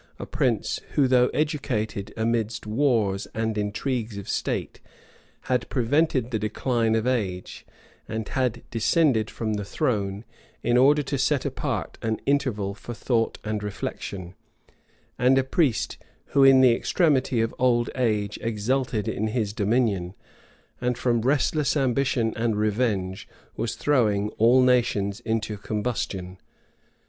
a prince who, though educated amidst wars and intrigues of state, had prevented the decline of age, and had descended from the throne, in order to set apart an interval for thought and reflection; and a priest who, in the extremity of old age, exulted in his dominion, and from restless ambition and revenge was throwing all nations into combustion.